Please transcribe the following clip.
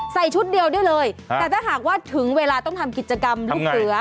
ชุดเดียวได้เลยแต่ถ้าหากว่าถึงเวลาต้องทำกิจกรรมลูกเสือ